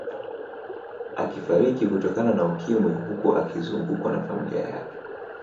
Akifariki kutokana na Ukimwi huku akizungukwa na familia yake